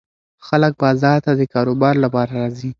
خلک بازار ته د کاروبار لپاره راځي.